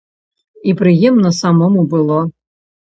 І прыемна самому было.